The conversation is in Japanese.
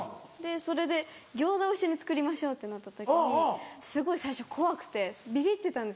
それで餃子を一緒に作りましょうってなった時にすごい最初怖くてビビってたんですよ。